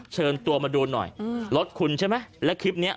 เชิญตัวมาดูหน่อยอืมรถใช่ไหมและชิดเนี้ย